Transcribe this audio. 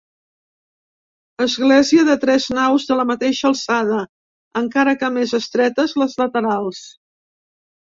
Església de tres naus de la mateixa alçada, encara que més estretes les laterals.